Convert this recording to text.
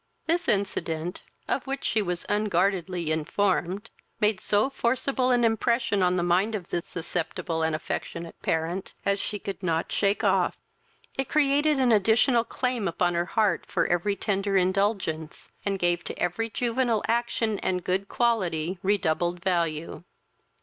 This incident, of which she was unguardedly informed, made so forcible an impression on the mind of this susceptible and affectionate parent, as she could not shake off: it created an additional claim upon her heart for every tender indulgence, and gave to every juvenile action and good quality redoubled value.